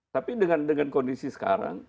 tapi dengan kondisi sekarang